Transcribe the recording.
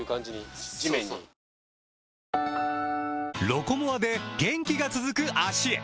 「ロコモア」で元気が続く脚へ！